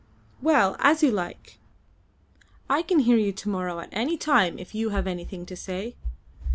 "Well, as you like. I can hear you to morrow at any time if you have anything to say.